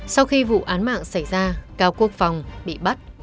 sau khi vụ án mạng xảy ra cao quốc phòng bị bắt